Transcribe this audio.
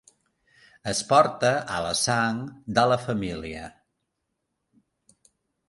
Es porta a la sang de la família.